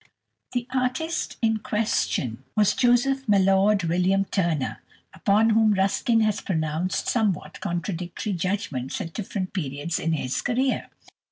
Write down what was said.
The artist in question was Joseph Mallord William Turner, upon whom Ruskin has pronounced somewhat contradictory judgments at different periods in his career.